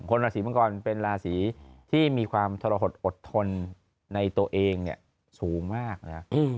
ราศีมังกรเป็นราศีที่มีความทรหดอดทนในตัวเองสูงมากนะครับ